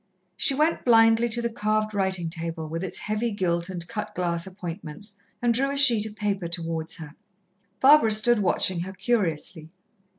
She went blindly to the carved writing table with its heavy gilt and cut glass appointments, and drew a sheet of paper towards her. Barbara stood watching her curiously.